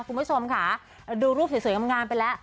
คุณผู้ชมค่ะดูรูปสวยงามไปแล้ว